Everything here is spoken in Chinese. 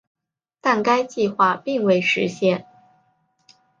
但该计划并未实现。